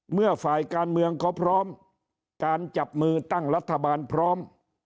เมื่อฝ่ายการเมืองเขาพร้อมการจับมือตั้งรัฐบาลพร้อม